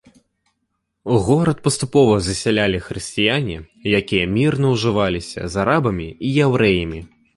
Горад паступова засялілі хрысціяне, якія мірна ўжываліся з арабамі і яўрэямі.